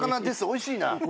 おいしいな」って？